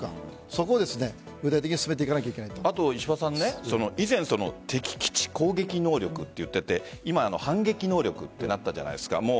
そこを具体的に進めていかなければいけないと以前敵基地攻撃能力といっていて今、反撃能力となったじゃないですか。